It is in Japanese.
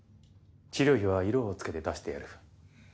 治療費は色を付けて出してやる。